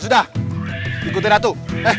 sudah ikutin atu